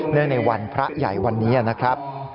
ในวันพระใหญ่วันนี้นะครับ